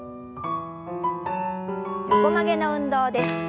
横曲げの運動です。